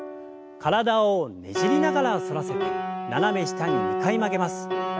体をねじりながら反らせて斜め下に２回曲げます。